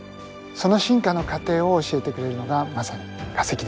その進化の過程を教えてくれるのがまさに化石です。